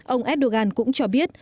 ông erdogan cũng cho biết